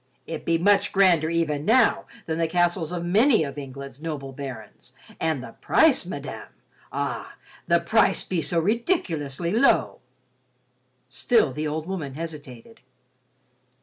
It be much grander even now than the castles of many of England's noble barons, and the price, madame—ah, the price be so ridiculously low." Still the old woman hesitated.